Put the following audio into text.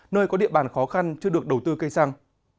nơi có địa bàn khó khăn chưa được đầu tư cây xăng